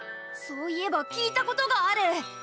そういえば聞いたことがある。